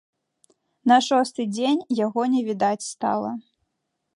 На шосты дзень яго не відаць стала.